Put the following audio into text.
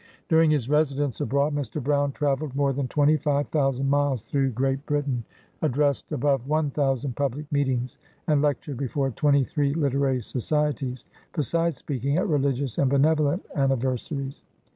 During his residence abroad, Mr. Brown travelled more than twenty five thousand miles through Great AN AMERICAN BONDMAN. 95 Britain, addressed above one thousand public meetings. and lectured before twenty three literary societies, be sides speaking at religious and benevolent anniversa ries.